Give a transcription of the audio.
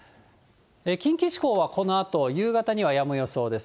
近畿地方はこのあと夕方にはやむ予想です。